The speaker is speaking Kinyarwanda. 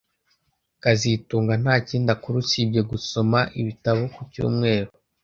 kazitunga ntakindi akora usibye gusoma ibitabo ku cyumweru